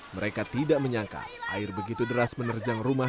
mereka tidak menyangka air begitu deras menerjang rumah